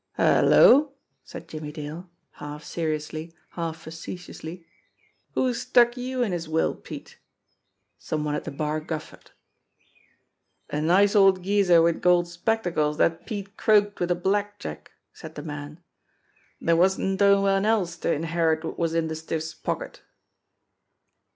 "Hello!" said Jimmie Dale, half seriously, half facetiously. "Who stuck you in his will, Pete?" Some one at the bar guffawed. "A nice old geezer wid gold spectacles dat Pete croaked wid a black jack," said the man. "Dere wasn't no one else to inherit wot was in de stiff's pocket